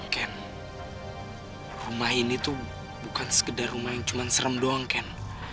ken rumah ini tuh bukan sekedar rumah yang cuma serem doang kan